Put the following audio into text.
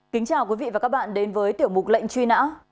kính chào quý vị và các bạn đến với tiểu mục lệnh truy nã